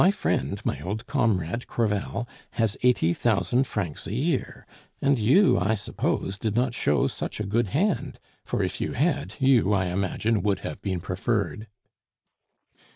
My friend, my old comrade Crevel, has eighty thousand francs a year; and you, I suppose, did not show such a good hand, for if you had, you, I imagine, would have been preferred."